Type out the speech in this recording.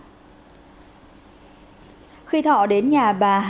khi thọ đến nhà hàng xóm chơi được người quen đưa xe nhờ đi mua đồ ăn về nhậu